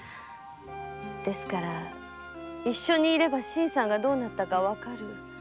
ですから一緒に居れば新さんがどうなったかわかる。